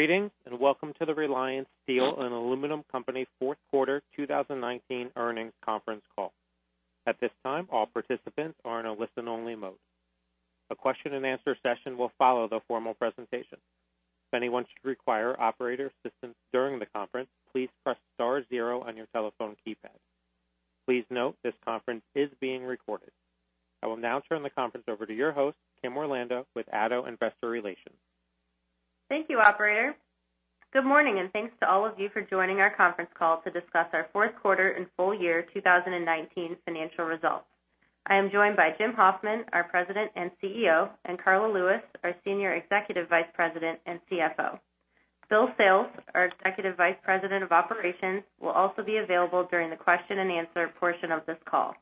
Greetings, and welcome to the Reliance Steel & Aluminum Co. fourth quarter 2019 earnings conference call. At this time, all participants are in a listen-only mode. A question and answer session will follow the formal presentation. If anyone should require operator assistance during the conference, please press star zero on your telephone keypad. Please note this conference is being recorded. I will now turn the conference over to your host, Kim Orlando with ADDO Investor Relations. Thank you, operator. Good morning, and thanks to all of you for joining our conference call to discuss our fourth quarter and full year 2019 financial results. I am joined by Jim Hoffman, our President and CEO, and Karla Lewis, our Senior Executive Vice President and CFO. Bill Sales, our Executive Vice President of Operations, will also be available during the question and answer portion of this call.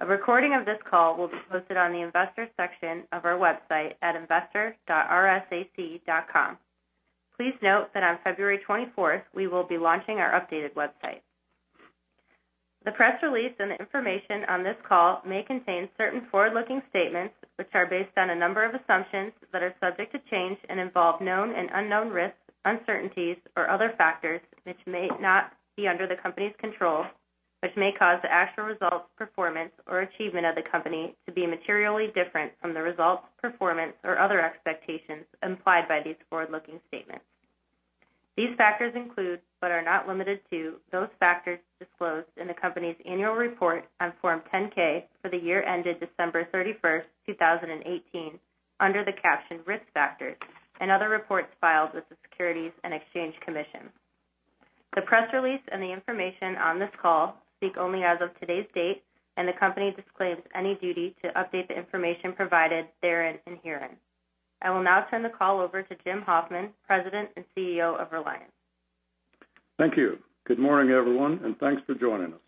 A recording of this call will be posted on the investors section of our website at investor.reliance.com. Please note that on February 24th, we will be launching our updated website. The press release and the information on this call may contain certain forward-looking statements, which are based on a number of assumptions that are subject to change and involve known and unknown risks, uncertainties, or other factors which may not be under the company's control, which may cause the actual results, performance, or achievement of the company to be materially different from the results, performance, or other expectations implied by these forward-looking statements. These factors include, but are not limited to, those factors disclosed in the company's annual report on Form 10-K for the year ended December 31st, 2018, under the caption Risk Factors and other reports filed with the Securities and Exchange Commission. The press release and the information on this call speak only as of today's date, and the company disclaims any duty to update the information provided therein and herein. I will now turn the call over to Jim Hoffman, President and CEO of Reliance. Thank you. Good morning, everyone, and thanks for joining us.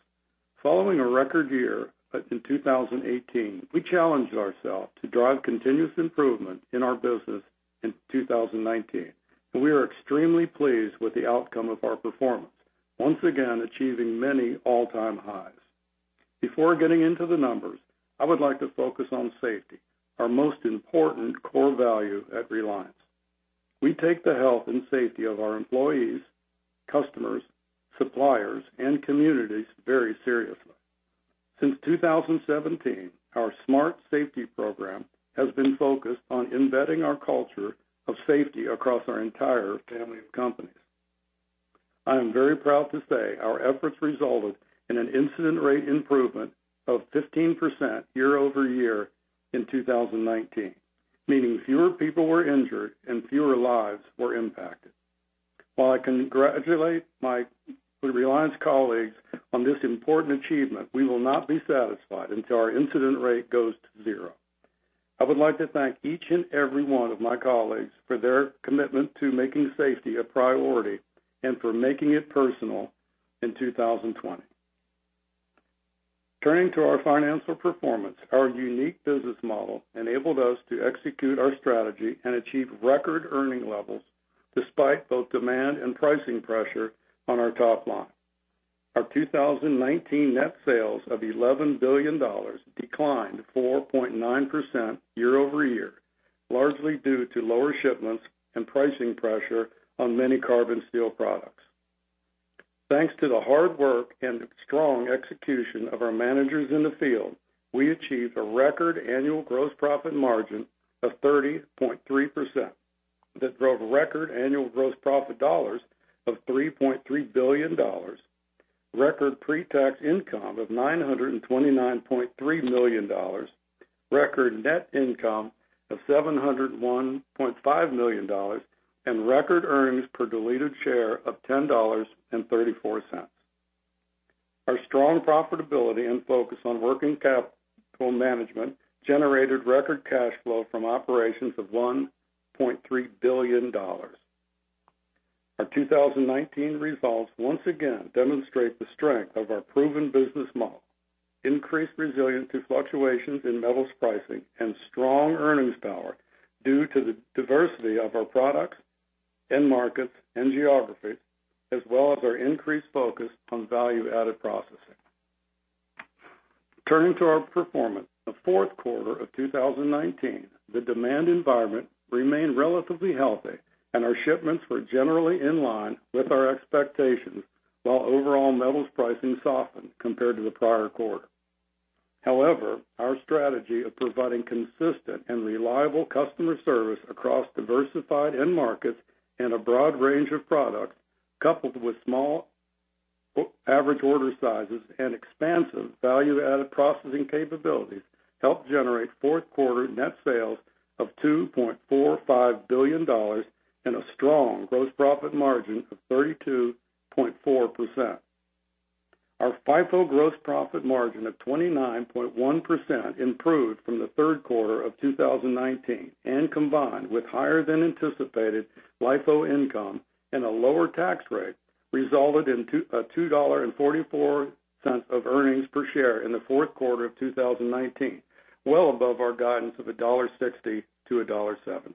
Following a record year in 2018, we challenged ourselves to drive continuous improvement in our business in 2019. We are extremely pleased with the outcome of our performance, once again achieving many all-time highs. Before getting into the numbers, I would like to focus on safety, our most important core value at Reliance. We take the health and safety of our employees, customers, suppliers, and communities very seriously. Since 2017, our SMART Safety program has been focused on embedding our culture of safety across our entire family of companies. I am very proud to say our efforts resulted in an incident rate improvement of 15% year-over-year in 2019, meaning fewer people were injured and fewer lives were impacted. While I congratulate my Reliance colleagues on this important achievement, we will not be satisfied until our incident rate goes to zero. I would like to thank each and every one of my colleagues for their commitment to making safety a priority and for making it personal in 2020. Turning to our financial performance, our unique business model enabled us to execute our strategy and achieve record earning levels despite both demand and pricing pressure on our top line. Our 2019 net sales of $11 billion declined 4.9% year-over-year, largely due to lower shipments and pricing pressure on many carbon steel products. Thanks to the hard work and strong execution of our managers in the field, we achieved a record annual gross profit margin of 30.3% that drove record annual gross profit dollars of $3.3 billion, record pre-tax income of $929.3 million, record net income of $701.5 million, and record earnings per diluted share of $10.34. Our strong profitability and focus on working capital management generated record cash flow from operations of $1.3 billion. Our 2019 results once again demonstrate the strength of our proven business model, increased resilience to fluctuations in metals pricing, and strong earnings power due to the diversity of our products, end markets, and geographies, as well as our increased focus on value-added processing. Turning to our performance. The fourth quarter of 2019, the demand environment remained relatively healthy, and our shipments were generally in line with our expectations, while overall metals pricing softened compared to the prior quarter. However, our strategy of providing consistent and reliable customer service across diversified end markets and a broad range of products, coupled with small average order sizes and expansive value-added processing capabilities, helped generate fourth quarter net sales of $2.45 billion and a strong gross profit margin of 32.4%. Our FIFO gross profit margin of 29.1% improved from the third quarter of 2019, and combined with higher than anticipated FIFO income and a lower tax rate, resulted in a $2.44 of earnings per share in the fourth quarter of 2019, well above our guidance of $1.60 to $1.70.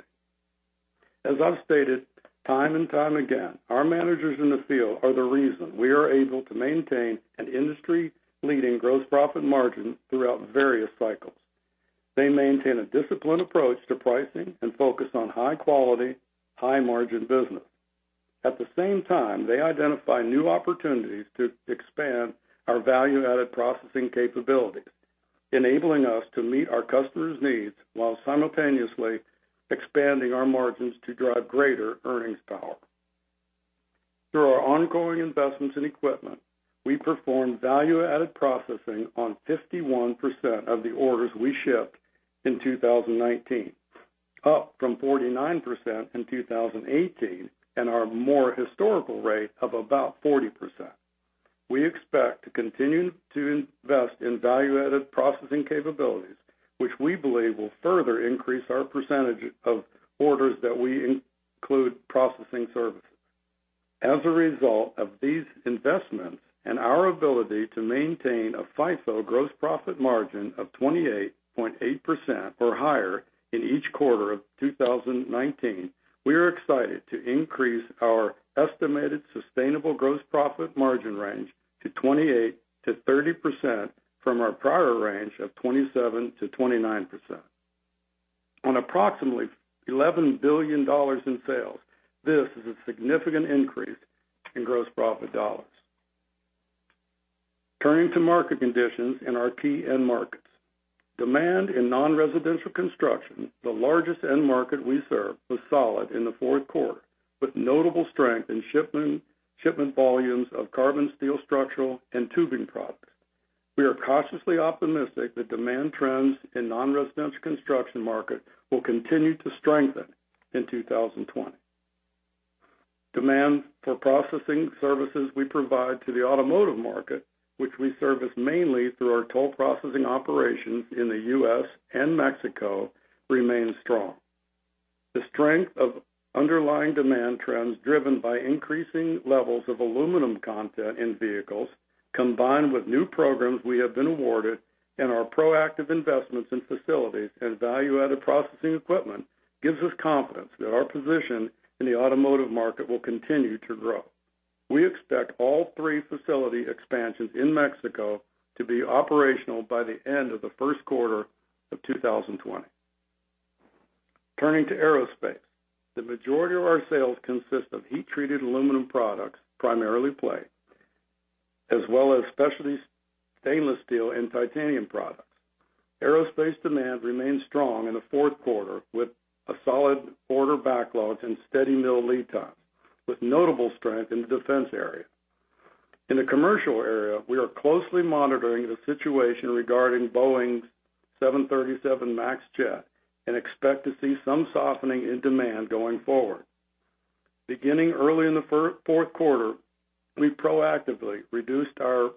As I've stated time and time again, our managers in the field are the reason we are able to maintain an industry-leading gross profit margin throughout various cycles. They maintain a disciplined approach to pricing and focus on high-quality, high-margin business. At the same time, they identify new opportunities to expand our value-added processing capabilities, enabling us to meet our customers' needs while simultaneously expanding our margins to drive greater earnings power. Through our ongoing investments in equipment, we performed value-added processing on 51% of the orders we shipped in 2019, up from 49% in 2018 and our more historical rate of about 40%. We expect to continue to invest in value-added processing capabilities, which we believe will further increase our percentage of orders that we include processing services. As a result of these investments and our ability to maintain a FIFO gross profit margin of 28.8% or higher in each quarter of 2019, we are excited to increase our estimated sustainable gross profit margin range to 28%-30% from our prior range of 27%-29%. On approximately $11 billion in sales, this is a significant increase in gross profit dollars. Turning to market conditions in our key end markets. Demand in non-residential construction, the largest end market we serve, was solid in the fourth quarter, with notable strength in shipment volumes of carbon steel structural and tubing products. We are cautiously optimistic that demand trends in non-residential construction market will continue to strengthen in 2020. Demand for processing services we provide to the automotive market, which we service mainly through our toll processing operations in the U.S. and Mexico, remains strong. The strength of underlying demand trends driven by increasing levels of aluminum content in vehicles, combined with new programs we have been awarded and our proactive investments in facilities and value-added processing equipment, gives us confidence that our position in the automotive market will continue to grow. We expect all three facility expansions in Mexico to be operational by the end of the first quarter of 2020. Turning to aerospace. The majority of our sales consist of heat-treated aluminum products, primarily plate, as well as specialty stainless steel and titanium products. Aerospace demand remained strong in the fourth quarter, with a solid order backlog and steady mill lead times, with notable strength in the defense area. In the commercial area, we are closely monitoring the situation regarding Boeing's 737 MAX jet and expect to see some softening in demand going forward. Beginning early in the fourth quarter, we proactively reduced our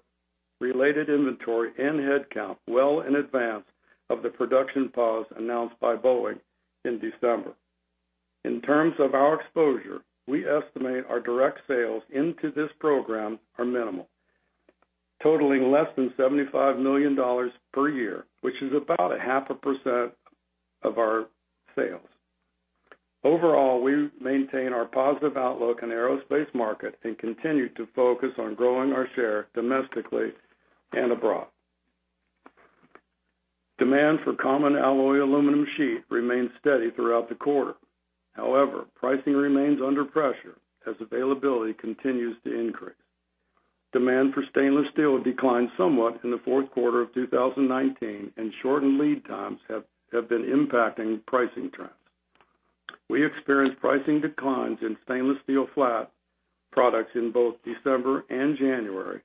related inventory and headcount well in advance of the production pause announced by Boeing in December. In terms of our exposure, we estimate our direct sales into this program are minimal, totaling less than $75 million per year, which is about a half a percent of our sales. Overall, we maintain our positive outlook in aerospace market and continue to focus on growing our share domestically and abroad. Demand for common alloy aluminum sheet remained steady throughout the quarter. Pricing remains under pressure as availability continues to increase. Demand for stainless steel declined somewhat in the fourth quarter of 2019, shortened lead times have been impacting pricing trends. We experienced pricing declines in stainless steel flat products in both December and January,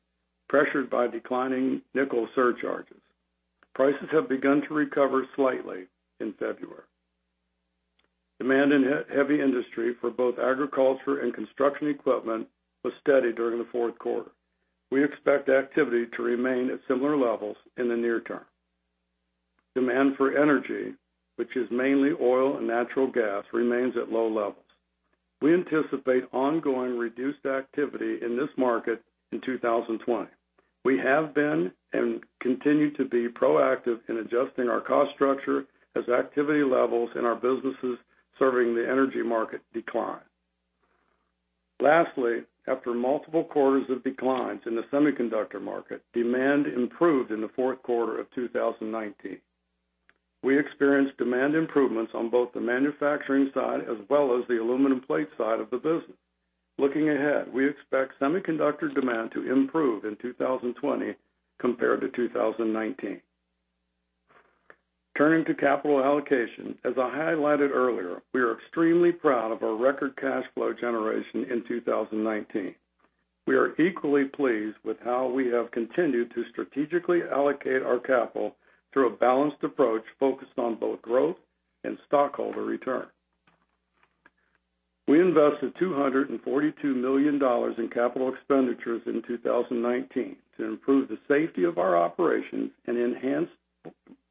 pressured by declining nickel surcharges. Prices have begun to recover slightly in February. Demand in heavy industry for both agriculture and construction equipment was steady during the fourth quarter. We expect activity to remain at similar levels in the near term. Demand for energy, which is mainly oil and natural gas, remains at low levels. We anticipate ongoing reduced activity in this market in 2020. We have been and continue to be proactive in adjusting our cost structure as activity levels in our businesses serving the energy market decline. Lastly, after multiple quarters of declines in the semiconductor market, demand improved in the fourth quarter of 2019. We experienced demand improvements on both the manufacturing side as well as the aluminum plate side of the business. Looking ahead, we expect semiconductor demand to improve in 2020 compared to 2019. Turning to capital allocation. As I highlighted earlier, we are extremely proud of our record cash flow generation in 2019. We are equally pleased with how we have continued to strategically allocate our capital through a balanced approach focused on both growth and stockholder return. We invested $242 million in capital expenditures in 2019 to improve the safety of our operations and enhance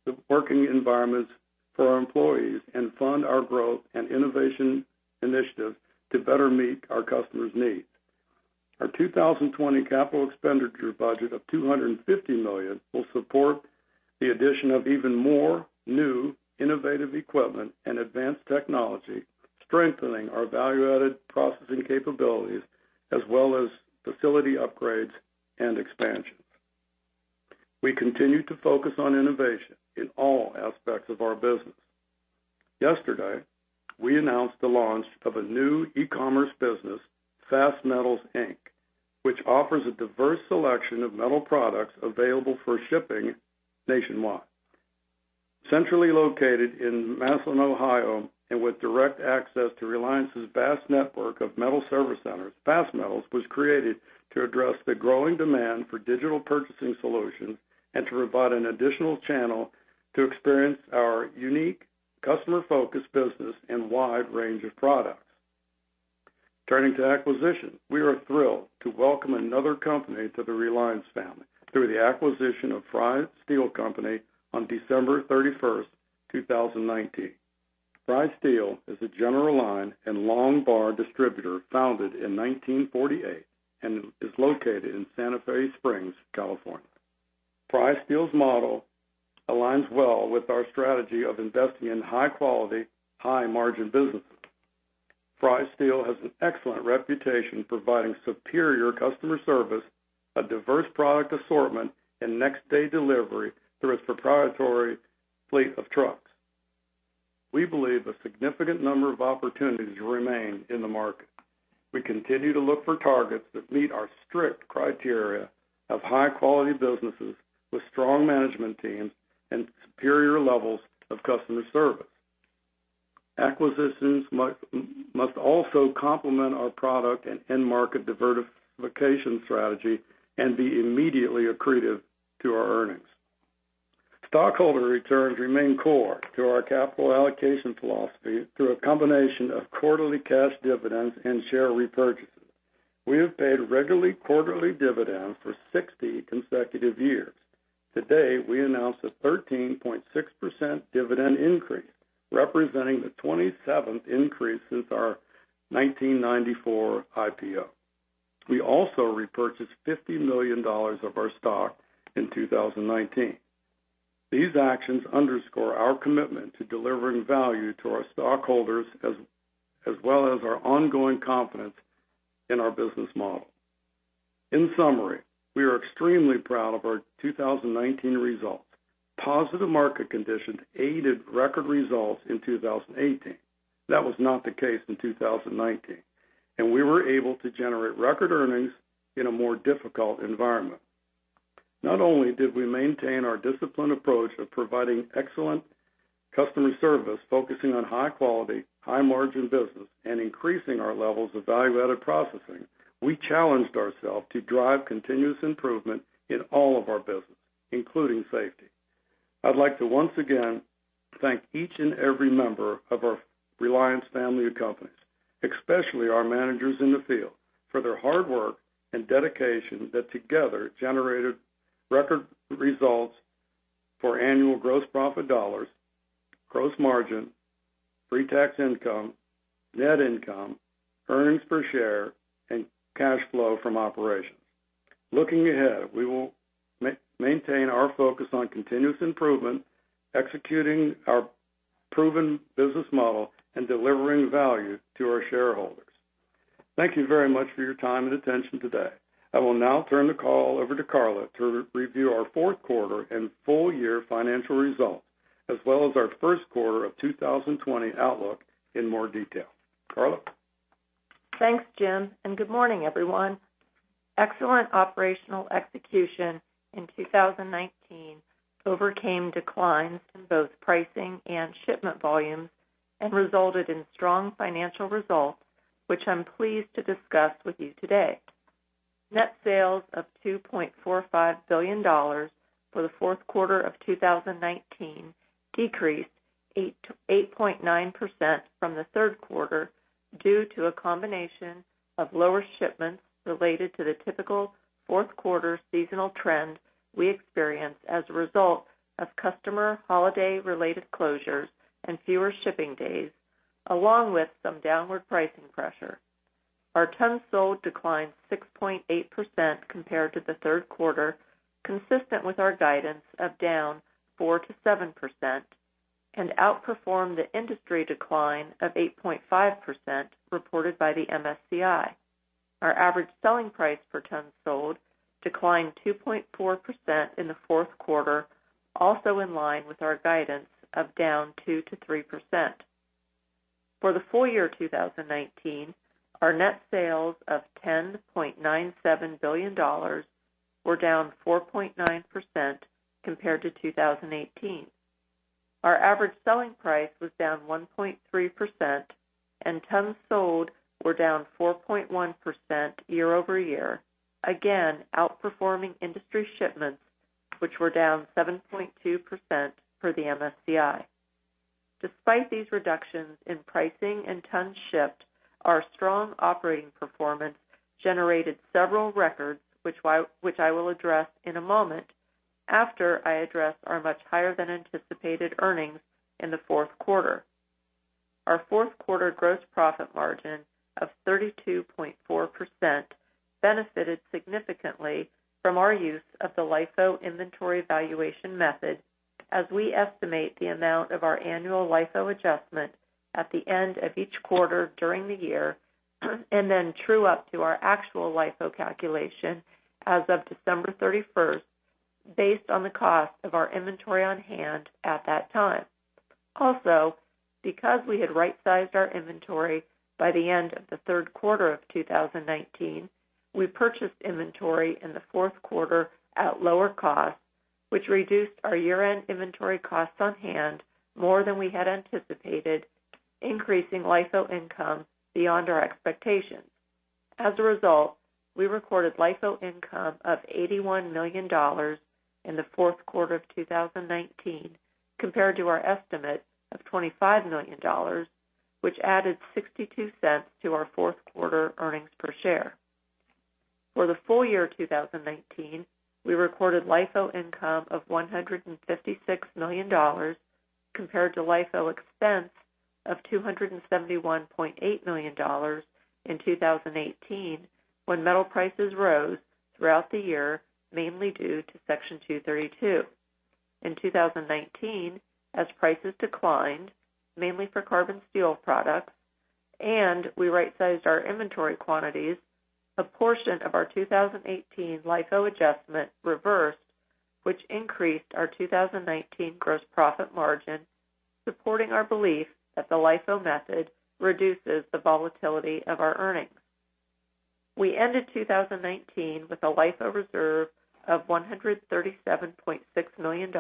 the working environments for our employees and fund our growth and innovation initiatives to better meet our customers' needs. Our 2020 capital expenditure budget of $250 million will support the addition of even more new, innovative equipment and advanced technology, strengthening our value-added processing capabilities, as well as facility upgrades and expansions. We continue to focus on innovation in all aspects of our business. Yesterday, we announced the launch of a new e-commerce business, FastMetals, Inc., which offers a diverse selection of metal products available for shipping nationwide. Centrally located in Massillon, Ohio, and with direct access to Reliance's vast network of metal service centers, FastMetals was created to address the growing demand for digital purchasing solutions and to provide an additional channel to experience our unique customer-focused business and wide range of products. Turning to acquisition, we are thrilled to welcome another company to the Reliance family through the acquisition of Fry Steel Company on December 31st, 2019. Fry Steel is a general line and long bar distributor founded in 1948 and is located in Santa Fe Springs, California. Fry Steel's model aligns well with our strategy of investing in high-quality, high-margin businesses. Fry Steel has an excellent reputation providing superior customer service, a diverse product assortment, and next-day delivery through its proprietary fleet of trucks. We believe a significant number of opportunities remain in the market. We continue to look for targets that meet our strict criteria of high-quality businesses with strong management teams and superior levels of customer service. Acquisitions must also complement our product and end market diversification strategy and be immediately accretive to our earnings. Stockholder returns remain core to our capital allocation philosophy through a combination of quarterly cash dividends and share repurchases. We have paid regularly quarterly dividends for 60 consecutive years. Today, we announced a 13.6% dividend increase, representing the 27th increase since our 1994 IPO. We also repurchased $50 million of our stock in 2019. These actions underscore our commitment to delivering value to our stockholders, as well as our ongoing confidence in our business model. In summary, we are extremely proud of our 2019 results. Positive market conditions aided record results in 2018. That was not the case in 2019, and we were able to generate record earnings in a more difficult environment. Not only did we maintain our disciplined approach of providing excellent customer service, focusing on high quality, high margin business, and increasing our levels of value-added processing, we challenged ourselves to drive continuous improvement in all of our business, including safety. I'd like to once again thank each and every member of our Reliance family of companies, especially our managers in the field, for their hard work and dedication that together generated record results for annual gross profit dollars, gross margin, pre-tax income, net income, earnings per share, and cash flow from operations. Looking ahead, we will maintain our focus on continuous improvement, executing our proven business model, and delivering value to our shareholders. Thank you very much for your time and attention today. I will now turn the call over to Karla to review our fourth quarter and full year financial results, as well as our first quarter of 2020 outlook in more detail. Karla? Thanks, Jim, and good morning, everyone. Excellent operational execution in 2019 overcame declines in both pricing and shipment volumes and resulted in strong financial results, which I'm pleased to discuss with you today. Net sales of $2.45 billion for the fourth quarter of 2019 decreased 8.9% from the third quarter due to a combination of lower shipments related to the typical fourth quarter seasonal trend we experienced as a result of customer holiday-related closures and fewer shipping days, along with some downward pricing pressure. Our tons sold declined 6.8% compared to the third quarter, consistent with our guidance of down 4% to 7%, and outperformed the industry decline of 8.5% reported by the MSCI. Our average selling price per ton sold declined 2.4% in the fourth quarter, also in line with our guidance of down 2% to 3%. For the full year 2019, our net sales of $10.97 billion were down 4.9% compared to 2018. Our average selling price was down 1.3%, and tons sold were down 4.1% year-over-year, again, outperforming industry shipments, which were down 7.2% for the MSCI. Despite these reductions in pricing and tons shipped, our strong operating performance generated several records, which I will address in a moment after I address our much higher than anticipated earnings in the fourth quarter. Our fourth quarter gross profit margin of 32.4% benefited significantly from our use of the LIFO inventory valuation method. As we estimate the amount of our annual LIFO adjustment at the end of each quarter during the year, and then true up to our actual LIFO calculation as of December 31st, based on the cost of our inventory on hand at that time. Also, because we had right-sized our inventory by the end of the third quarter of 2019, we purchased inventory in the fourth quarter at lower cost, which reduced our year-end inventory costs on hand more than we had anticipated, increasing LIFO income beyond our expectations. As a result, we recorded LIFO income of $81 million in the fourth quarter of 2019, compared to our estimate of $25 million, which added $0.62 to our fourth quarter earnings per share. For the full year 2019, we recorded LIFO income of $156 million, compared to LIFO expense of $271.8 million in 2018, when metal prices rose throughout the year, mainly due to Section 232. In 2019, as prices declined, mainly for carbon steel products, and we right-sized our inventory quantities, a portion of our 2018 LIFO adjustment reversed, which increased our 2019 gross profit margin, supporting our belief that the LIFO method reduces the volatility of our earnings. We ended 2019 with a LIFO reserve of $137.6 million,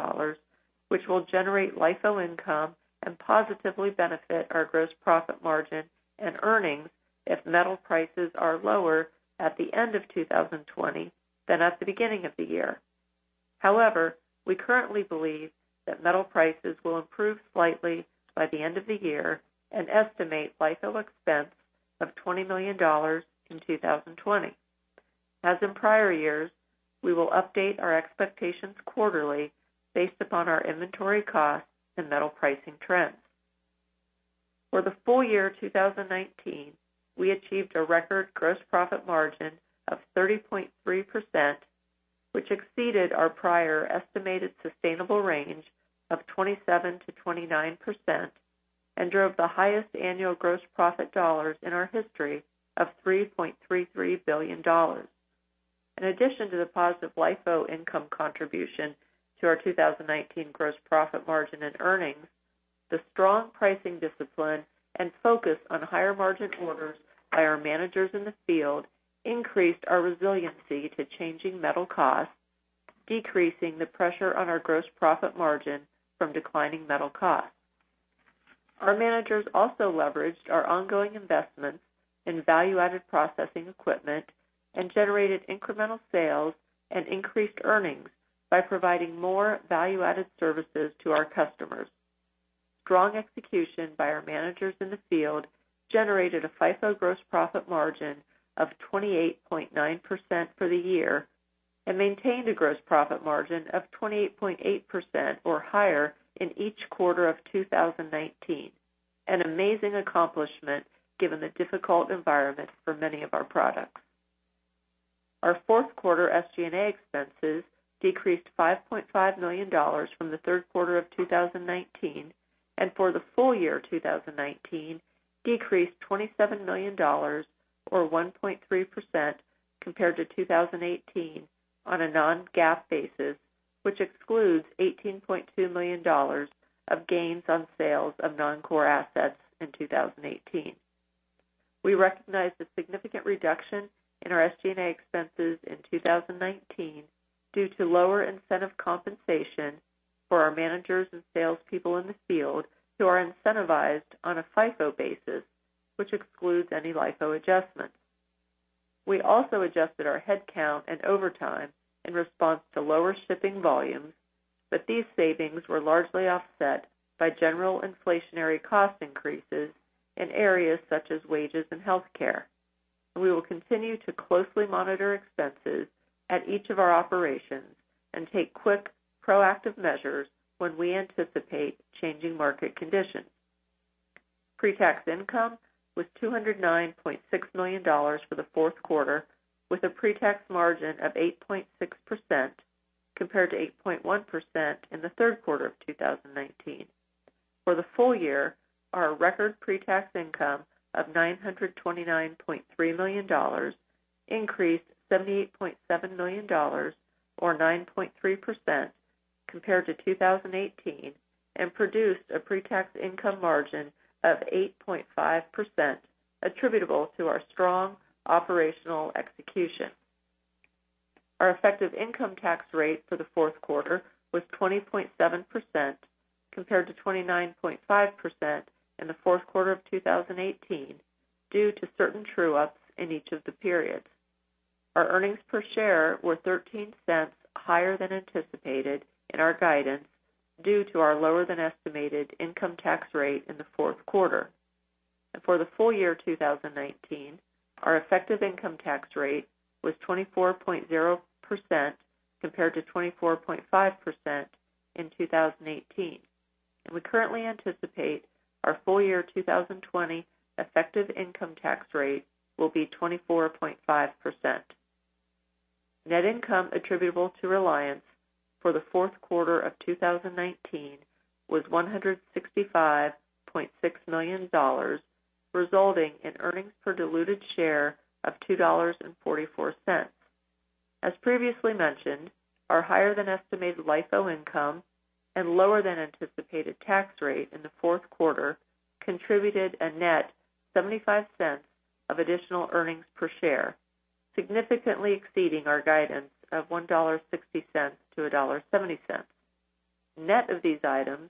which will generate LIFO income and positively benefit our gross profit margin and earnings if metal prices are lower at the end of 2020 than at the beginning of the year. However, we currently believe that metal prices will improve slightly by the end of the year and estimate LIFO expense of $20 million in 2020. As in prior years, we will update our expectations quarterly based upon our inventory costs and metal pricing trends. For the full year 2019, we achieved a record gross profit margin of 30.3%, which exceeded our prior estimated sustainable range of 27%-29% and drove the highest annual gross profit dollars in our history of $3.33 billion. In addition to the positive LIFO income contribution to our 2019 gross profit margin and earnings, the strong pricing discipline and focus on higher-margin orders by our managers in the field increased our resiliency to changing metal costs, decreasing the pressure on our gross profit margin from declining metal costs. Our managers also leveraged our ongoing investments in value-added processing equipment and generated incremental sales and increased earnings by providing more value-added services to our customers. Strong execution by our managers in the field generated a FIFO gross profit margin of 28.9% for the year and maintained a gross profit margin of 28.8% or higher in each quarter of 2019, an amazing accomplishment given the difficult environment for many of our products. Our fourth quarter SG&A expenses decreased $5.5 million from the third quarter of 2019, and for the full year 2019, decreased $27 million or 1.3% compared to 2018 on a non-GAAP basis, which excludes $18.2 million of gains on sales of non-core assets in 2018. We recognized a significant reduction in our SG&A expenses in 2019 due to lower incentive compensation for our managers and salespeople in the field who are incentivized on a FIFO basis, which excludes any LIFO adjustments. We also adjusted our headcount and overtime in response to lower shipping volumes, but these savings were largely offset by general inflationary cost increases in areas such as wages and healthcare. We will continue to closely monitor expenses at each of our operations and take quick, proactive measures when we anticipate changing market conditions. Pre-tax income was $209.6 million for the fourth quarter, with a pre-tax margin of 8.6% compared to 8.1% in the third quarter of 2019. For the full year, our record pre-tax income of $929.3 million increased $78.7 million or 9.3% compared to 2018 and produced a pre-tax income margin of 8.5% attributable to our strong operational execution. Our effective income tax rate for the fourth quarter was 20.7% compared to 29.5% in the fourth quarter of 2018 due to certain true-ups in each of the periods. Our earnings per share were $0.13 higher than anticipated in our guidance due to our lower-than-estimated income tax rate in the fourth quarter. For the full year 2019, our effective income tax rate was 24.0% compared to 24.5% in 2018. We currently anticipate our full year 2020 effective income tax rate will be 24.5%. Net income attributable to Reliance for the fourth quarter of 2019 was $165.6 million, resulting in earnings per diluted share of $2.44. As previously mentioned, our higher than estimated LIFO income and lower than anticipated tax rate in the fourth quarter contributed a net $0.75 of additional earnings per share, significantly exceeding our guidance of $1.60-$1.70. Net of these items,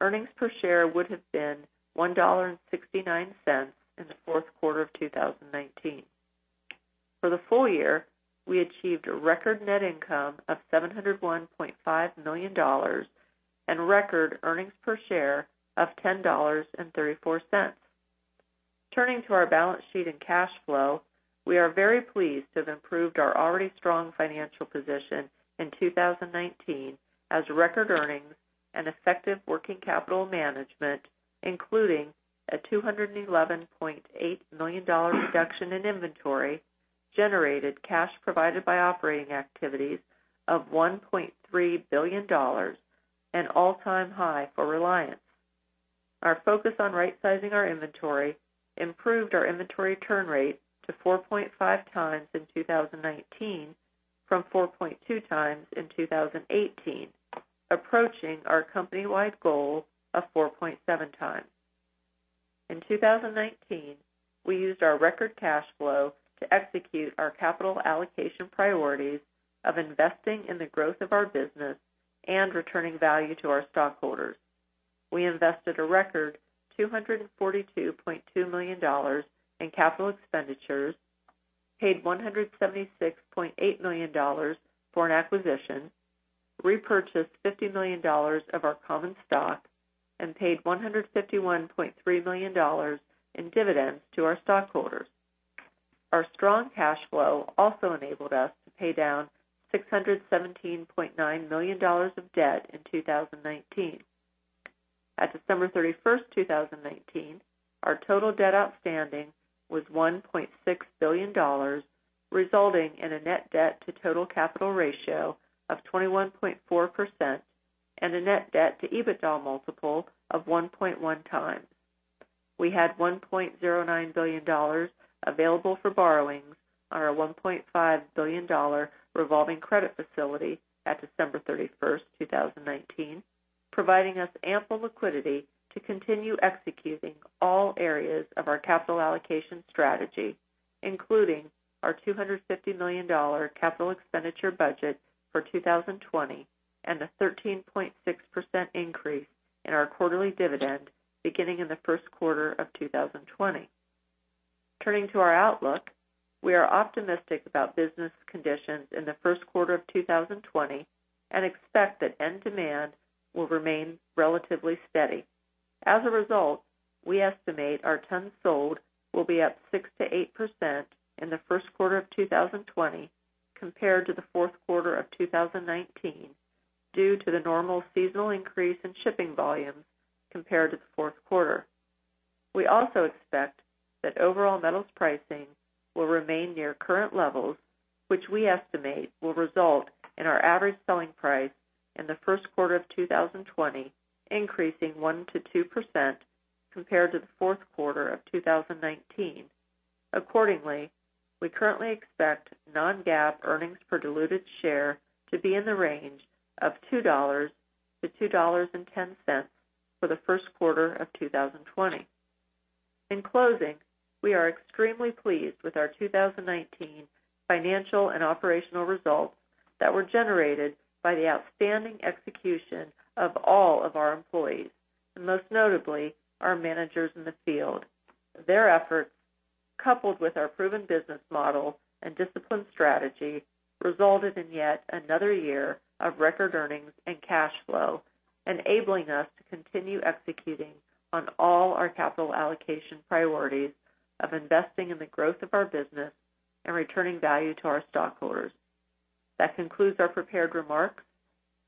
earnings per share would have been $1.69 in the fourth quarter of 2019. For the full year, we achieved a record net income of $701.5 million and record earnings per share of $10.34. Turning to our balance sheet and cash flow, we are very pleased to have improved our already strong financial position in 2019 as record earnings and effective working capital management, including a $211.8 million reduction in inventory, generated cash provided by operating activities of $1.3 billion, an all-time high for Reliance. Our focus on right-sizing our inventory improved our inventory turn rate to 4.5 times in 2019 from 4.2 times in 2018, approaching our company-wide goal of 4.7 times. In 2019, we used our record cash flow to execute our capital allocation priorities of investing in the growth of our business and returning value to our stockholders. We invested a record $242.2 million in capital expenditures, paid $176.8 million for an acquisition, repurchased $50 million of our common stock, and paid $151.3 million in dividends to our stockholders. Our strong cash flow also enabled us to pay down $617.9 million of debt in 2019. At December 31st, 2019, our total debt outstanding was $1.6 billion, resulting in a net debt to total capital ratio of 21.4% and a net debt to EBITDA multiple of 1.1 times. We had $1.09 billion available for borrowings on our $1.5 billion revolving credit facility at December 31st, 2019, providing us ample liquidity to continue executing all areas of our capital allocation strategy, including our $250 million capital expenditure budget for 2020 and a 13.6% increase in our quarterly dividend beginning in the first quarter of 2020. Turning to our outlook, we are optimistic about business conditions in the first quarter of 2020 and expect that end demand will remain relatively steady. As a result, we estimate our tons sold will be up 6%-8% in the first quarter of 2020 compared to the fourth quarter of 2019 due to the normal seasonal increase in shipping volumes compared to the fourth quarter. We also expect that overall metals pricing will remain near current levels, which we estimate will result in our average selling price in the first quarter of 2020 increasing 1%-2% compared to the fourth quarter of 2019. Accordingly, we currently expect non-GAAP earnings per diluted share to be in the range of $2-$2.10 for the first quarter of 2020. In closing, we are extremely pleased with our 2019 financial and operational results that were generated by the outstanding execution of all of our employees, and most notably, our managers in the field. Their efforts, coupled with our proven business model and disciplined strategy, resulted in yet another year of record earnings and cash flow, enabling us to continue executing on all our capital allocation priorities of investing in the growth of our business and returning value to our stockholders. That concludes our prepared remarks.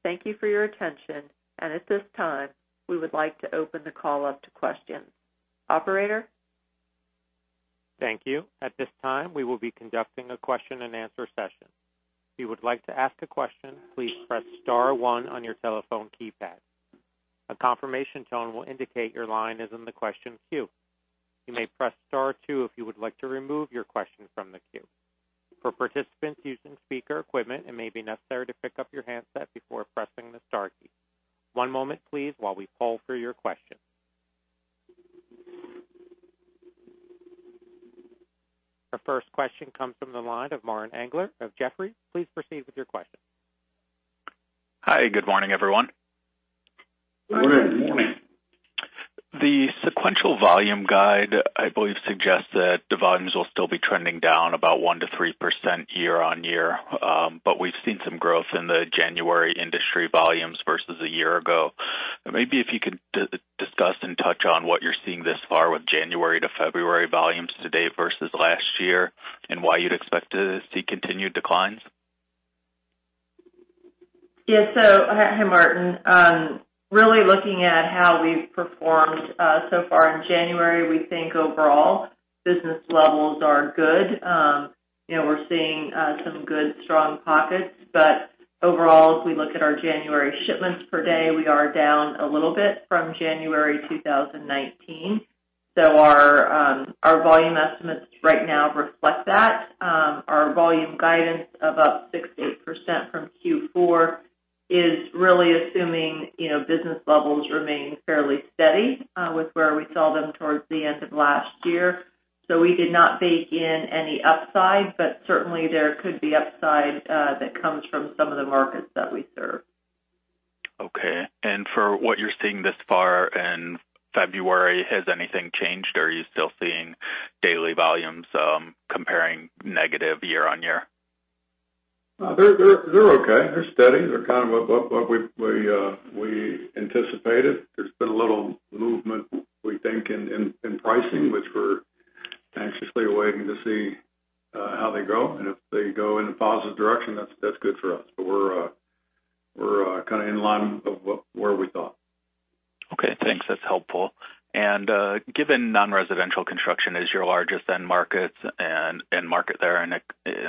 Thank you for your attention, and at this time, we would like to open the call up to questions. Operator? Thank you. At this time, we will be conducting a question and answer session. If you would like to ask a question, please press star one on your telephone keypad. A confirmation tone will indicate your line is in the question queue. You may press star two if you would like to remove your question from the queue. For participants using speaker equipment, it may be necessary to pick up your handset before pressing the star key. One moment, please, while we poll for your question. The first question comes from the line of Martin Englert of Jefferies. Please proceed with your question. Hi, good morning, everyone. Good morning. Good morning. The sequential volume guide, I believe, suggests that the volumes will still be trending down about 1%-3% year-over-year, but we've seen some growth in the January industry volumes versus a year ago. Maybe if you could discuss and touch on what you're seeing thus far with January to February volumes to date versus last year and why you'd expect to see continued declines? Yes. Hi, Martin. Really looking at how we've performed so far in January, we think overall business levels are good. We're seeing some good strong pockets, but overall, as we look at our January shipments per day, we are down a little bit from January 2019. Our volume estimates right now reflect that. Our volume guidance of up 6% to 8% from Q4 is really assuming business levels remain fairly steady with where we saw them towards the end of last year. We did not bake in any upside, but certainly there could be upside that comes from some of the markets that we serve. Okay. For what you're seeing thus far in February, has anything changed? Are you still seeing daily volumes comparing negative year-on-year? They're okay, they're steady. They're kind of what we anticipated. There's been a little movement, we think, in pricing, which we're anxiously awaiting to see how they go. If they go in a positive direction, that's good for us. We're kind of in line of where we thought. Okay, thanks. That's helpful. Given non-residential construction is your largest end market there, and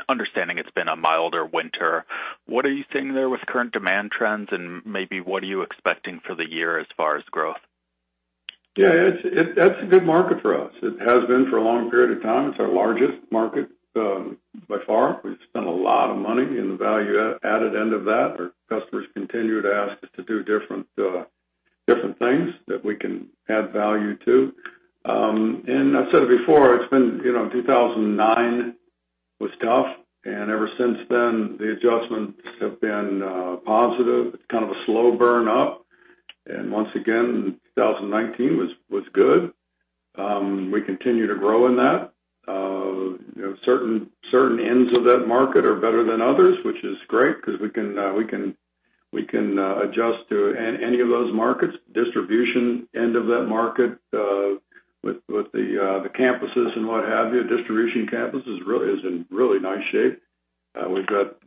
understanding it's been a milder winter, what are you seeing there with current demand trends, and maybe what are you expecting for the year as far as growth? Yeah, that's a good market for us. It has been for a long period of time. It's our largest market by far. We've spent a lot of money in the value-added end of that. Our customers continue to ask us to do different things that we can add value to. I've said it before, 2009 was tough, and ever since then, the adjustments have been positive. It's kind of a slow burn up. Once again, 2019 was good. We continue to grow in that. Certain ends of that market are better than others, which is great because we can adjust to any of those markets. Distribution end of that market with the campuses and what have you, distribution campus is in really nice shape.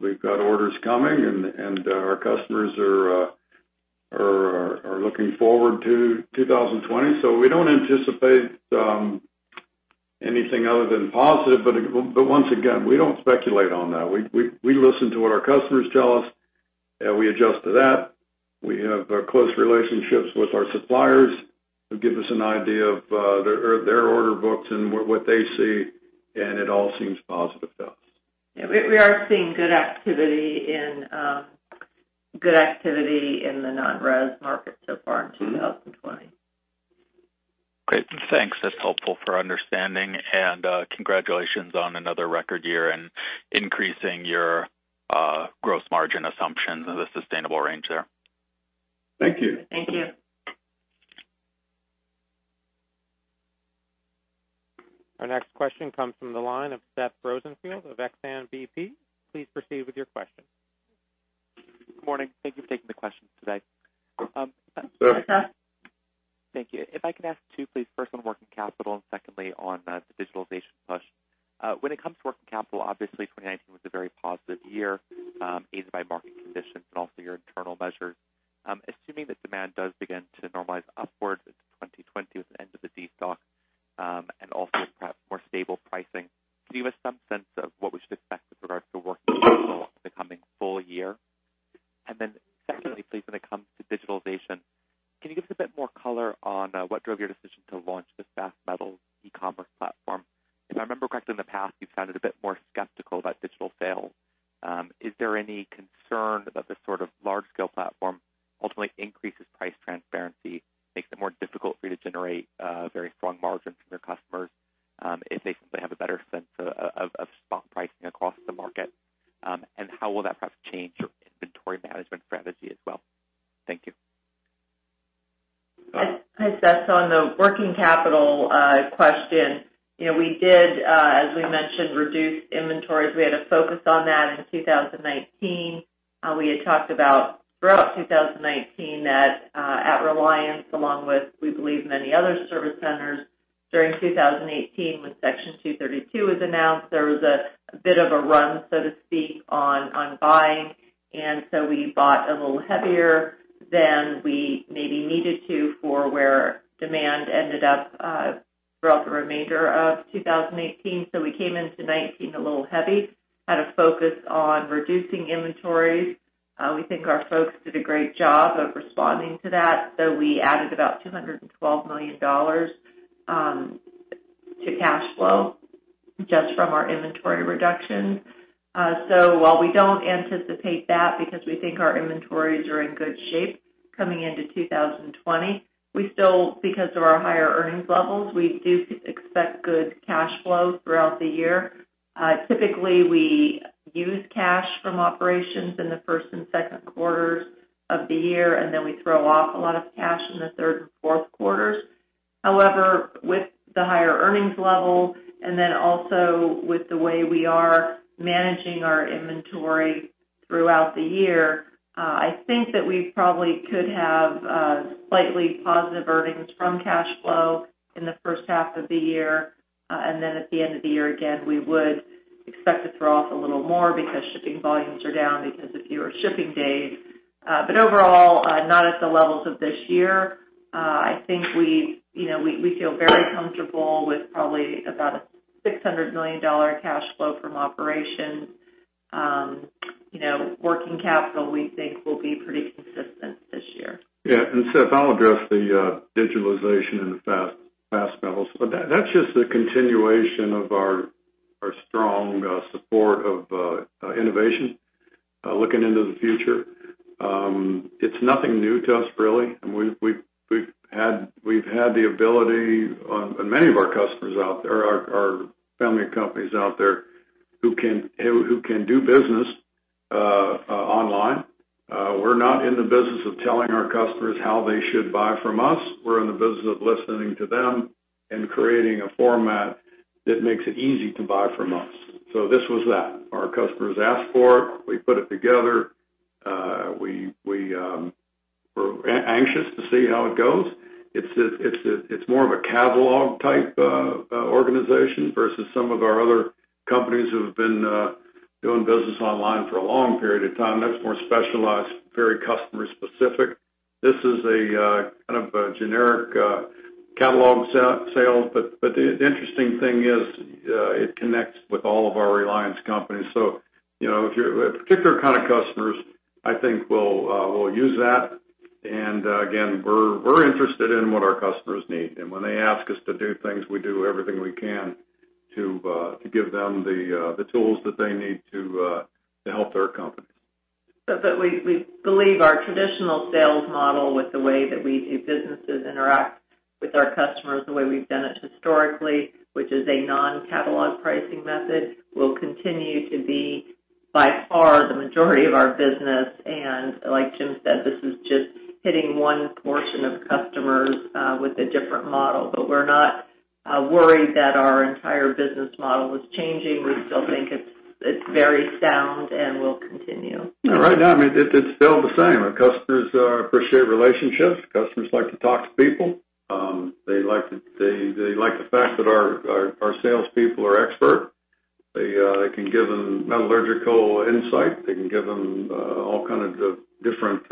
We've got orders coming, and our customers are looking forward to 2020. We don't anticipate anything other than positive, but once again, we don't speculate on that. We listen to what our customers tell us, and we adjust to that. We have close relationships with our suppliers, who give us an idea of their order books and what they see, and it all seems positive to us. Yeah, we are seeing good activity in the non-res market so far in 2020. Great, thanks. That's helpful for understanding, and congratulations on another record year and increasing your gross margin assumptions of the sustainable range there. Thank you. Thank you. Our next question comes from the line of Seth Rosenfeld of Exane BP. Please proceed with your question. Good morning. Thank you for taking the questions today. Sure. Hi, Seth. Thank you. If I could ask two, please. First on working capital and secondly on the digitalization push. When it comes to working capital, obviously 2019 was a very positive year, aided by market conditions, but also your internal measures. Assuming that demand does begin to normalize upwards into 2020 with the end of the destock, and also perhaps more stable pricing, can you give us some sense of what we should expect with regard to working capital over the coming full year? Secondly, please, when it comes to digitalization, can you give us a bit more color on what drove your decision to launch this FastMetals e-commerce platform? If I remember correctly, in the past, you've sounded a bit more skeptical about digital sales. Is there any concern that this sort of large-scale platform ultimately increases price transparency, makes it more difficult for you to generate very strong margins from your customers if they simply have a better sense of spot pricing across the market? How will that perhaps change your inventory management strategy as well? Thank you. Go ahead. Hi, Seth. On the working capital question, we did, as we mentioned, reduce inventories. We had a focus on that in 2019. We had talked about throughout 2019 that at Reliance, along with, we believe, many other service centers during 2018, when Section 232 was announced, there was a bit of a run, so to speak, on buying. We bought a little heavier than we maybe needed to for where demand ended up throughout the remainder of 2018. We came into 2019 a little heavy, had a focus on reducing inventories. We think our folks did a great job of responding to that. We added about $212 million to cash flow just from our inventory reduction. While we don't anticipate that because we think our inventories are in good shape coming into 2020, because of our higher earnings levels, we do expect good cash flow throughout the year. Typically, we use cash from operations in the first and second quarters of the year, and then we throw off a lot of cash in the third and fourth quarters. However, with the higher earnings level and then also with the way we are managing our inventory throughout the year, I think that we probably could have slightly positive earnings from cash flow in the first half of the year. At the end of the year, again, we would expect to throw off a little more because shipping volumes are down because of fewer shipping days. Overall, not at the levels of this year. I think we feel very comfortable with probably about a $600 million cash flow from operations. Working capital, we think, will be pretty consistent this year. Yeah. Seth, I'll address the digitalization in the FastMetals. That's just a continuation of our strong support of innovation, looking into the future. It's nothing new to us, really. We've had the ability, and many of our family of companies out there who can do business online. We're not in the business of telling our customers how they should buy from us. We're in the business of listening to them and creating a format that makes it easy to buy from us. This was that. Our customers asked for it, we put it together. We're anxious to see how it goes. It's more of a catalog type of organization versus some of our other companies who've been doing business online for a long period of time. That's more specialized, very customer-specific. This is a kind of a generic catalog sale. The interesting thing is, it connects with all of our Reliance companies. Particular kind of customers, I think, will use that. Again, we're interested in what our customers need. When they ask us to do things, we do everything we can to give them the tools that they need to help their companies. We believe our traditional sales model with the way that we do business is interact with our customers, the way we've done it historically, which is a non-catalog pricing method, will continue to be by far the majority of our business. Like Jim said, this is just hitting one portion of customers with a different model. We're not worried that our entire business model was changing. We still think it's very sound and will continue. Right now, it's still the same. Our customers appreciate relationships, customers like to talk to people. They like the fact that our salespeople are expert. They can give them metallurgical insight they can give them all kind of different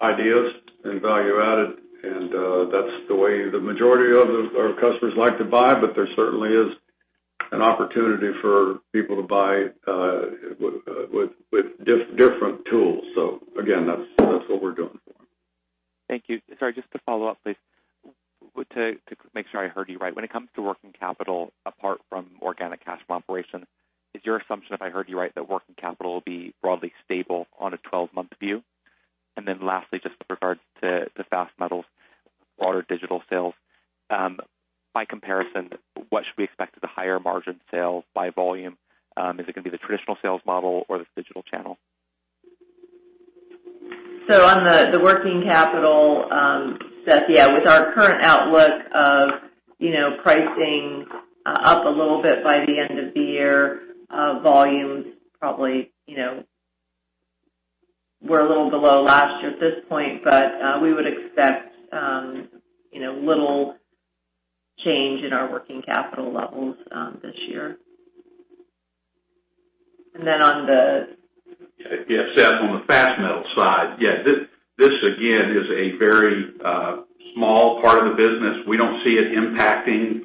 ideas and value added, and that's the way the majority of our customers like to buy, but there certainly is an opportunity for people to buy with different tools. Again, that's what we're doing for them. Thank you. Sorry, just to follow up, please. To make sure I heard you right. When it comes to working capital, apart from organic cash from operation, is your assumption, if I heard you right, that working capital will be broadly stable on a 12-month view? Lastly, just with regards to the FastMetals broader digital sales. By comparison, what should we expect of the higher margin sales by volume? Is it going to be the traditional sales model or this digital channel? On the working capital, Seth, yeah, with our current outlook of pricing up a little bit by the end of the year, volumes probably were a little below last year at this point. We would expect little change in our working capital levels this year. Seth, on the FastMetals side. This, again, is a very small part of the business. We don't see it impacting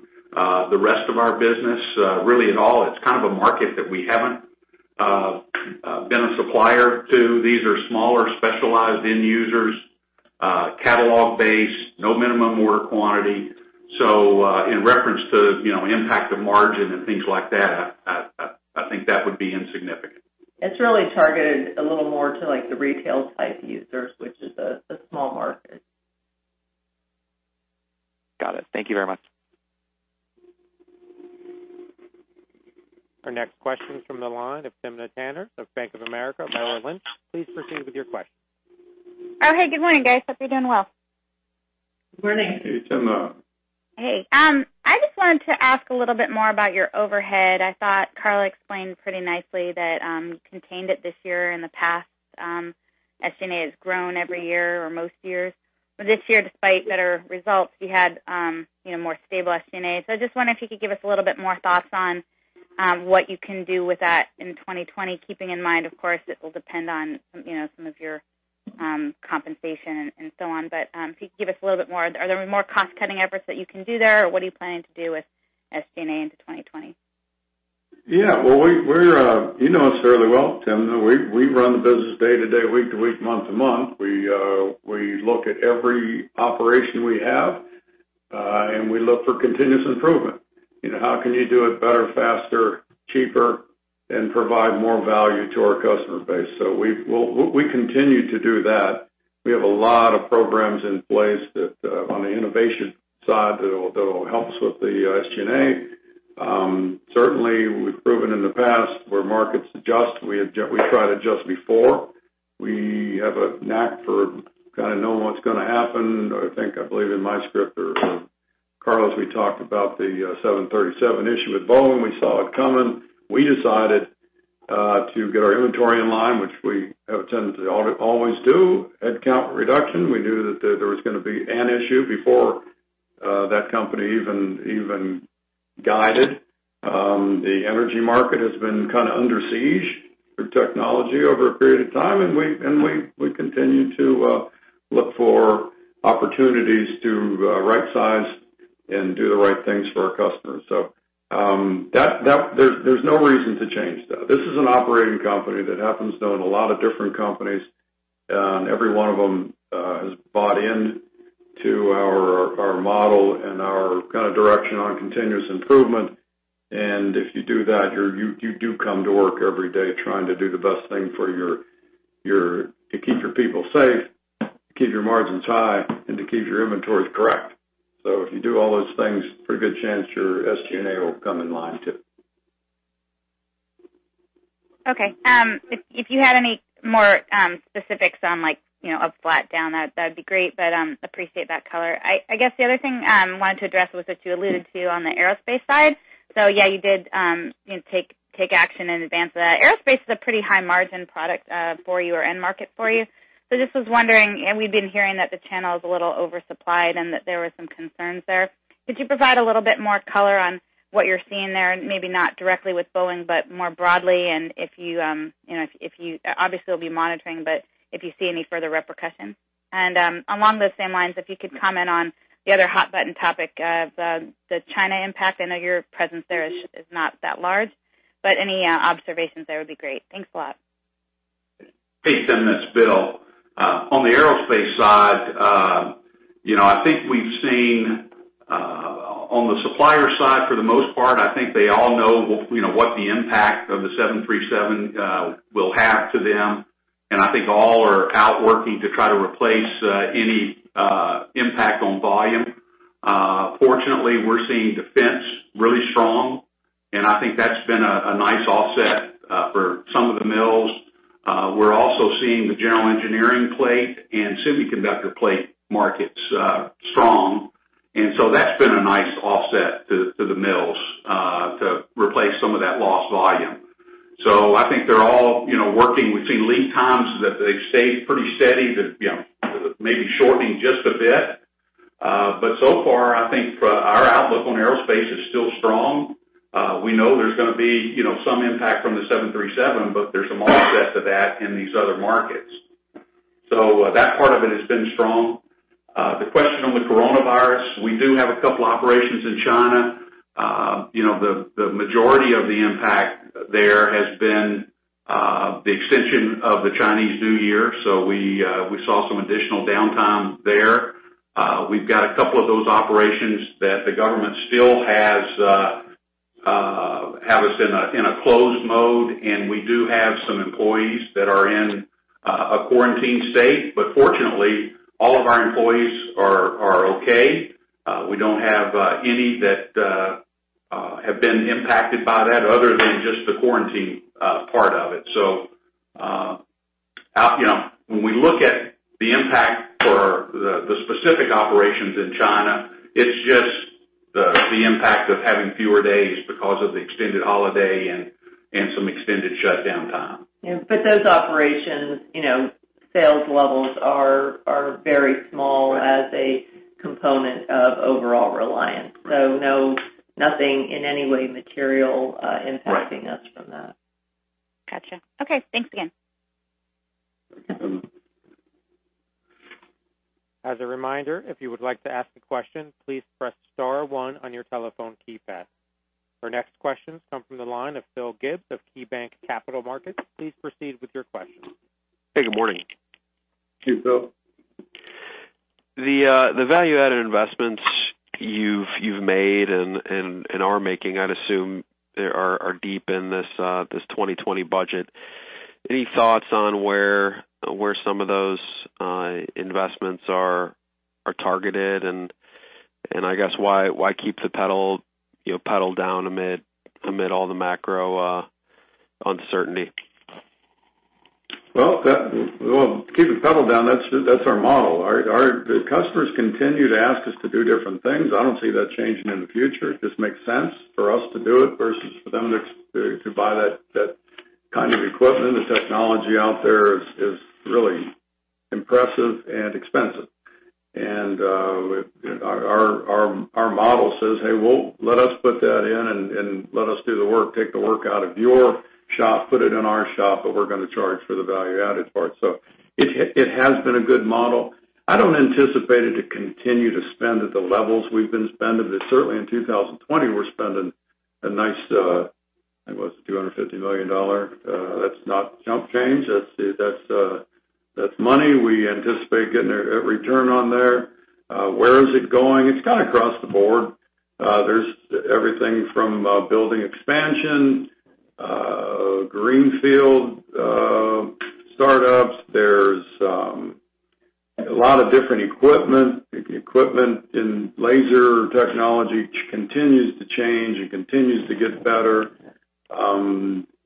the rest of our business really at all. It's kind of a market that we haven't been a supplier to. These are smaller, specialized end users, catalog based, no minimum order quantity. In reference to impact of margin and things like that, I think that would be insignificant. It's really targeted a little more to the retail type users, which is a small market. Got it. Thank you very much. Our next question from the line of Timna Tanners of Bank of America Merrill Lynch. Please proceed with your question. Oh, hey. Good morning, guys. Hope you're doing well. Good morning. Hey, Timna. Hey. I just wanted to ask a little bit more about your overhead. I thought Karla explained pretty nicely that you contained it this year. In the past, SG&A has grown every year or most years. This year, despite better results, you had more stable SG&A. I just wonder if you could give us a little bit more thoughts on what you can do with that in 2020, keeping in mind, of course, it will depend on some of your compensation and so on. Could you give us a little bit more? Are there more cost-cutting efforts that you can do there, or what are you planning to do with SG&A into 2020? Yeah. Well, you know us fairly well, Timna. We run the business day to day, week to week, month to month. We look at every operation we have, and we look for continuous improvement. How can you do it better, faster, cheaper, and provide more value to our customer base? We continue to do that. We have a lot of programs in place on the innovation side that will help us with the SG&A. Certainly, we've proven in the past where markets adjust, we try to adjust before. We have a knack for kind of knowing what's going to happen. I think, I believe in my script or Karla, we talked about the 737 issue with Boeing, we saw it coming. We decided to get our inventory in line, which we have a tendency to always do. Headcount reduction, we knew that there was going to be an issue before that company even guided. The energy market has been kind of under siege through technology over a period of time, and we continue to look for opportunities to rightsize and do the right things for our customers. There's no reason to change that. This is an operating company that happens to own a lot of different companies. Every one of them has bought into our model and our kind of direction on continuous improvement. If you do that, you do come to work every day trying to do the best thing to keep your people safe, to keep your margins high, and to keep your inventories correct. If you do all those things, pretty good chance your SG&A will come in line too. Okay. If you had any more specifics on like, up, flat, down, that'd be great. Appreciate that color. I guess the other thing I wanted to address was what you alluded to on the aerospace side. Yeah, you did take action in advance of that. Aerospace is a pretty high-margin product for you, or end market for you. Just was wondering, and we've been hearing that the channel's a little oversupplied and that there were some concerns there. Could you provide a little bit more color on what you're seeing there? Maybe not directly with Boeing, but more broadly, and if you-- obviously, will be monitoring, but if you see any further repercussions. Along those same lines, if you could comment on the other hot-button topic of the China impact. I know your presence there is not that large, but any observations there would be great. Thanks a lot. Timna it's Bill. On the aerospace side, I think we've seen on the supplier side, for the most part, I think they all know what the impact of the 737 will have to them. I think all are out working to try to replace any impact on volume. Fortunately, we're seeing defense really strong, and I think that's been a nice offset for some of the mills. We're also seeing the general engineering plate and semiconductor plate markets strong, that's been a nice offset to the mills to replace some of that lost volume. I think they're all working. We've seen lead times that they've stayed pretty steady, maybe shortening just a bit. So far, I think our outlook on aerospace is still strong. We know there's going to be some impact from the 737, but there's some offsets to that in these other markets. That part of it has been strong. The question with coronavirus, we do have a couple operations in China. The majority of the impact there has been the extension of the Chinese New Year, we saw some additional downtime there. We've got a couple of those operations that the government still has us in a closed mode, we do have some employees that are in a quarantine state. Fortunately, all of our employees are okay. We don't have any that have been impacted by that other than just the quarantine part of it. When we look at the impact for the specific operations in China, it's just the impact of having fewer days because of the extended holiday and some extended shutdown time. Yeah. Those operations, sales levels are very small as a component of overall Reliance. Nothing in any way material impacting us from that. Got you. Okay, thanks again. As a reminder, if you would like to ask a question, please press star one on your telephone keypad. Our next question comes from the line of Phil Gibbs of KeyBanc Capital Markets. Please proceed with your question. Hey, good morning. Thank you, Phil. The value-added investments you've made and are making, I'd assume, are deep in this 2020 budget. Any thoughts on where some of those investments are targeted and I guess why keep the pedal down amid all the macro uncertainty? Well, to keep the pedal down, that's our model. The customers continue to ask us to do different things. I don't see that changing in the future. It just makes sense for us to do it versus for them to buy that kind of equipment. The technology out there is really impressive and expensive. Our model says, "Hey, well, let us put that in and let us do the work. Take the work out of your shop, put it in our shop, but we're going to charge for the value-added part." It has been a good model. I don't anticipate it to continue to spend at the levels we've been spending. Certainly in 2020, we're spending a nice, I think it was $250 million. That's not chump change. That's money. We anticipate getting a return on there. Where is it going? It's kind of across the board. There's everything from building expansion, greenfield startups. A lot of different equipment. Equipment in laser technology continues to change and continues to get better.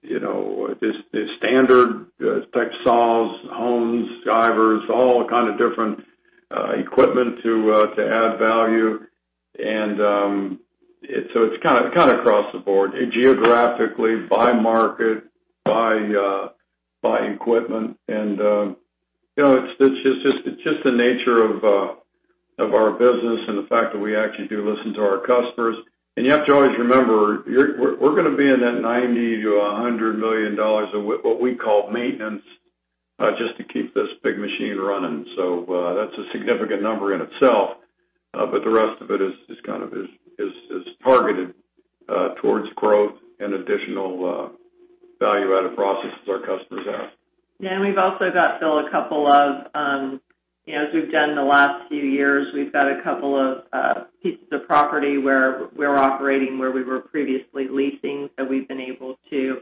The standard type saws, hones, divers, all kind of different equipment to add value. It's kind of across the board, geographically by market, by equipment. It's just the nature of our business and the fact that we actually do listen to our customers. You have to always remember, we're going to be in that $90 million-$100 million of what we call maintenance, just to keep this big machine running. That's a significant number in itself. The rest of it is targeted towards growth and additional value-added processes our customers ask. We've also got, Phil, as we've done the last few years, we've got a couple of pieces of property where we're operating, where we were previously leasing, that we've been able to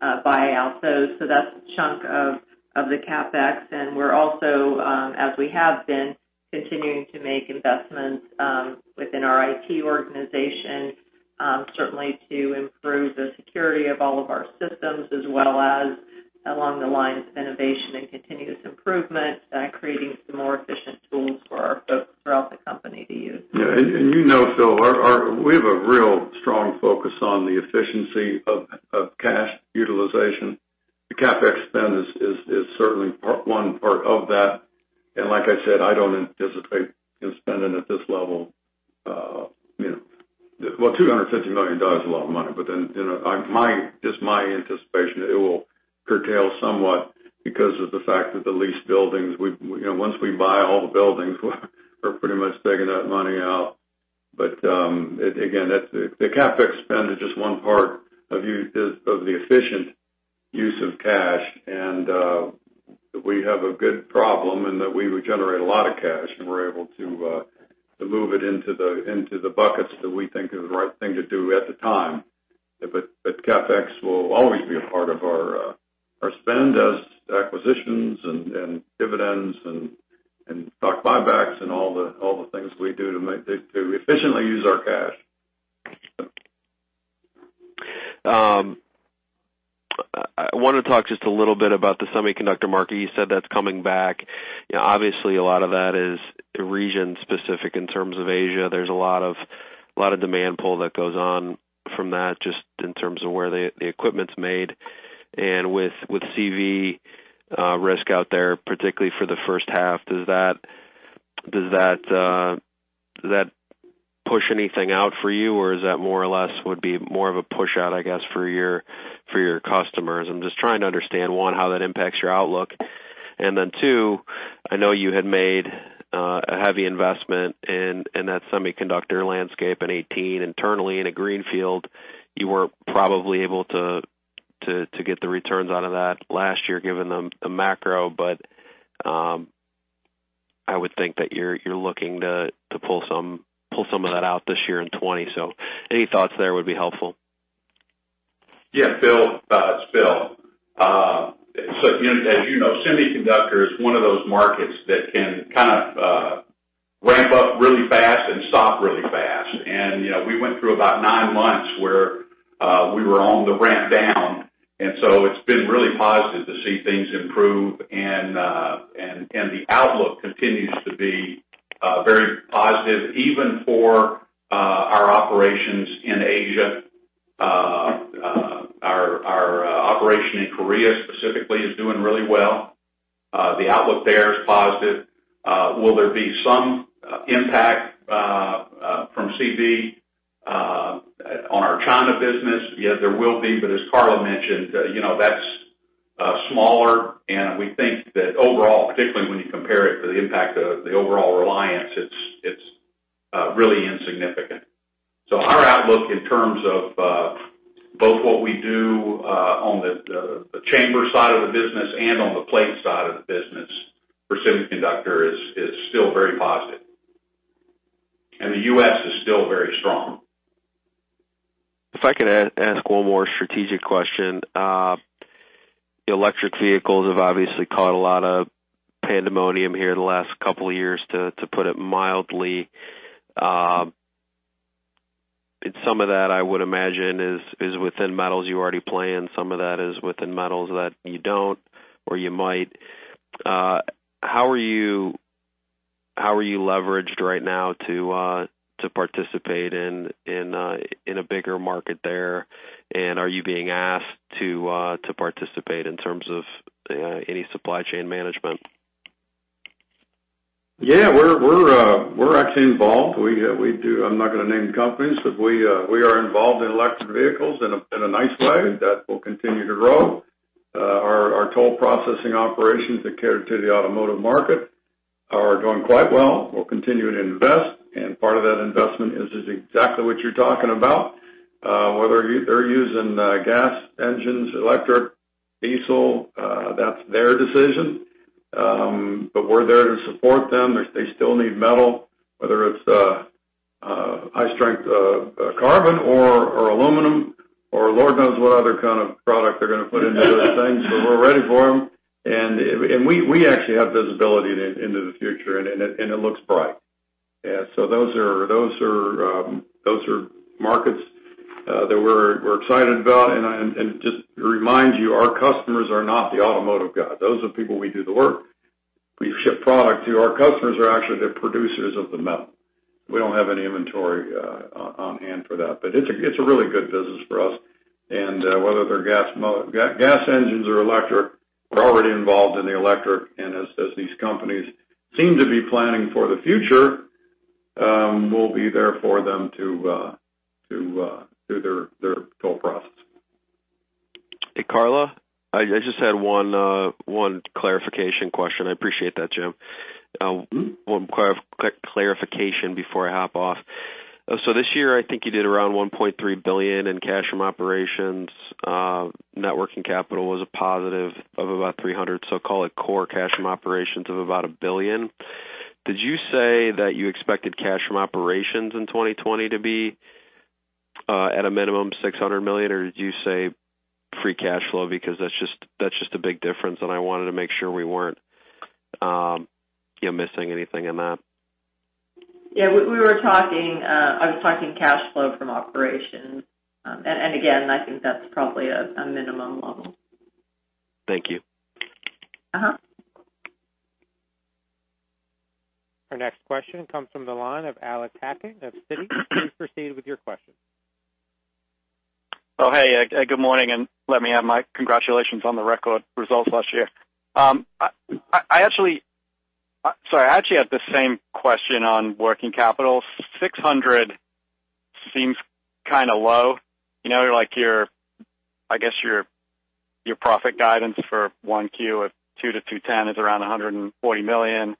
buy out those. That's a chunk of the CapEx. We're also, as we have been, continuing to make investments within our IT organization, certainly to improve the security of all of our systems as well as along the lines of innovation and continuous improvement, creating some more efficient tools for our folks throughout the company to use. Yeah. You know, Phil, we have a real strong focus on the efficiency of cash utilization. The CapEx spend is certainly one part of that. Like I said, I don't anticipate spending at this level. Well, $250 million is a lot of money, just my anticipation, it will curtail somewhat because of the fact that the leased buildings, once we buy all the buildings we're pretty much taking that money out. Again, the CapEx spend is just one part of the efficient use of cash. We have a good problem in that we generate a lot of cash, and we're able to move it into the buckets that we think is the right thing to do at the time. CapEx will always be a part of our spend as acquisitions and dividends and stock buybacks and all the things we do to efficiently use our cash. I want to talk just a little bit about the semiconductor market. You said that's coming back. Obviously, a lot of that is region-specific in terms of Asia. There's a lot of demand pull that goes on from that, just in terms of where the equipment's made. With coronavirus risk out there, particularly for the first half, does that push anything out for you, or is that more or less would be more of a push out, I guess, for your customers? I'm just trying to understand, one, how that impacts your outlook. Two, I know you had made a heavy investment in that semiconductor landscape in 2018 internally in a greenfield. You were probably able to get the returns out of that last year, given the macro, but I would think that you're looking to pull some of that out this year in 2020. Any thoughts there would be helpful. Yeah. Phil, it's Bill. As you know, semiconductor is one of those markets that can kind of ramp up really fast and stop really fast. We went through about nine months where we were on the ramp down. It's been really positive to see things improve. The outlook continues to be very positive, even for our operations in Asia. Our operation in Korea specifically is doing really well. The outlook there is positive. Will there be some impact from coronavirus on our China business? Yeah, there will be. As Karla mentioned, that's smaller, and we think that overall, particularly when you compare it to the impact of the overall Reliance, it's really insignificant. Our outlook in terms of both what we do on the chamber side of the business and on the plate side of the business for semiconductor is still very positive. The U.S. is still very strong. If I could ask one more strategic question. Electric vehicles have obviously caused a lot of pandemonium here in the last couple of years, to put it mildly. Some of that I would imagine, is within metals you already play in. Some of that is within metals that you don't, or you might. How are you leveraged right now to participate in a bigger market there? Are you being asked to participate in terms of any supply chain management? Yeah. We're actually involved. I'm not going to name companies, but we are involved in electric vehicles in a nice way that will continue to grow. Our toll processing operations that cater to the automotive market are doing quite well. We'll continue to invest, and part of that investment is exactly what you're talking about. Whether they're using gas engines, electric, diesel, that's their decision. We're there to support them. They still need metal, whether it's high strength carbon or aluminum, or lord knows what other kind of product they're going to put into those things. We're ready for them. We actually have visibility into the future, and it looks bright. Those are markets that we're excited about. Just to remind you, our customers are not the automotive guys. Those are the people we do the work, we ship product to. Our customers are actually the producers of the metal. We don't have any inventory on hand for that. It's a really good business for us, and whether they're gas engines or electric, we're already involved in the electric. As these companies seem to be planning for the future, we'll be there for them through their full process. Hey, Karla? I just had one clarification question. I appreciate that, Jim. One quick clarification before I hop off. This year, I think you did around $1.3 billion in cash from operations. Net working capital was a positive of about $300 million, so call it core cash from operations of about $1 billion. Did you say that you expected cash from operations in 2020 to be at a minimum $600 million? Or did you say free cash flow? That's just a big difference, and I wanted to make sure we weren't missing anything in that. Yeah, I was talking cash flow from operations. Again, I think that's probably a minimum level. Thank you. Our next question comes from the line of Alex Hacking of Citi. Please proceed with your question. Hey. Good morning, let me add my congratulations on the record results last year. Sorry, I actually had the same question on working capital. 600 seems kind of low. I guess your profit guidance for 1Q of two to 210 is around $140 million.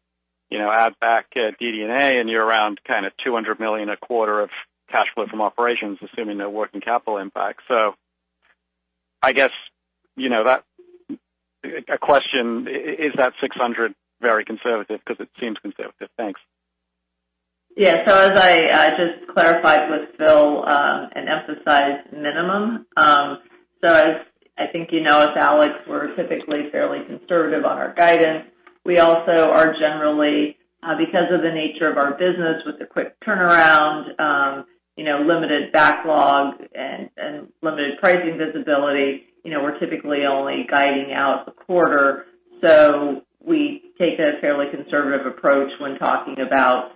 Add back DD&A, you're around kind of $200 million a quarter of cash flow from operations, assuming no working capital impact. I guess a question, is that 600 very conservative? Because it seems conservative. Thanks. Yeah. As I just clarified with Phil, and emphasized minimum. I think you know us, Alex. We're typically fairly conservative on our guidance. We also are generally, because of the nature of our business with the quick turnaround, limited backlog, and limited pricing visibility, we're typically only guiding out the quarter. We take a fairly conservative approach when talking about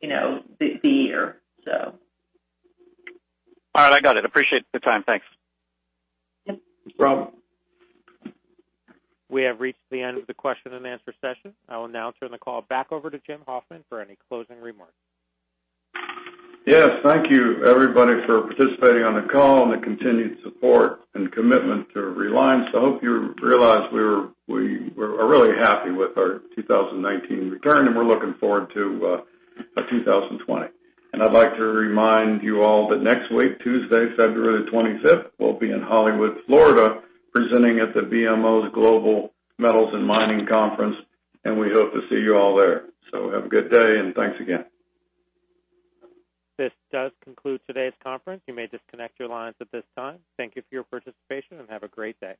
the year. All right I got it. Appreciate the time. Thanks. Yep. No problem. We have reached the end of the question-and-answer session. I will now turn the call back over to Jim Hoffman for any closing remarks. Yes. Thank you, everybody, for participating on the call and the continued support and commitment to Reliance. I hope you realize we are really happy with our 2019 return, and we're looking forward to 2020. I'd like to remind you all that next week, Tuesday, February 25th, we'll be in Hollywood, Florida, presenting at the BMO's Global Metals & Mining Conference, and we hope to see you all there. Have a good day, and thanks again. This does conclude today's conference. You may disconnect your lines at this time. Thank you for your participation, and have a great day.